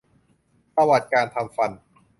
ประวัติการทำฟัน